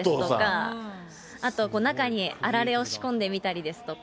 あとは中にあられを仕込んでみたりですとか。